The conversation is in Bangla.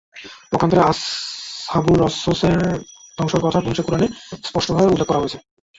পক্ষান্তরে, আসহাবুর রসস-এর ধ্বংস হওয়ার কথা কুরআনে স্পষ্টভাবে উল্লেখ করা হয়েছে।